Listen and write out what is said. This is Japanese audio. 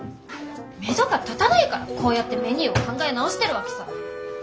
めどが立たないからこうやってメニューを考え直してるわけさ。